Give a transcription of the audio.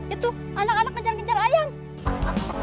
itu anak anak ngejar ngejar ayam